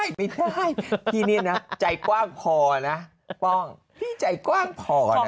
ไม่ได้พี่นี่นะใจกว้างพอนะป้องพี่ใจกว้างพอนะ